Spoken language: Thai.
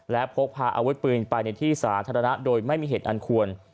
และพกพาอาวุธปืนไปในที่สาธารณะโดยไม่มีเหตุอันควร